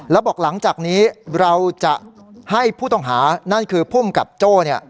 แล้วบอกหลังจากนี้เราจะให้ผู้ต้องหานั่นคือพจ